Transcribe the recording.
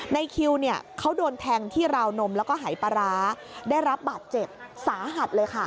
ในคิวเนี่ยเขาโดนแทงที่ราวนมแล้วก็หายปลาร้าได้รับบาดเจ็บสาหัสเลยค่ะ